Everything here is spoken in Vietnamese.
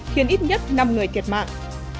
khiến ít nhất năm người thiệt mạng